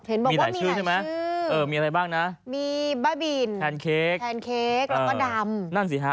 บอกว่ามีชื่อใช่ไหมเออมีอะไรบ้างนะมีบ้าบินแพนเค้กแพนเค้กแล้วก็ดำนั่นสิฮะ